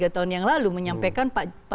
tiga tahun yang lalu menyampaikan